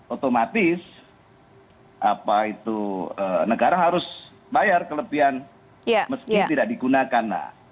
otomatis apa itu negara harus bayar kelebihan meski tidak digunakan lah